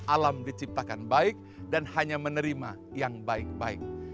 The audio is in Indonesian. alam diciptakan baik dan hanya menerima yang baik baik